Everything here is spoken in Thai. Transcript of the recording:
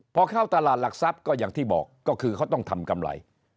พอเข้าตลาดหลักทรัพย์ก็อย่างที่บอกก็คือเขาต้องทำกำไร